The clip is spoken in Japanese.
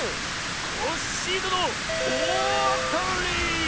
⁉コッシーどのおおあたり！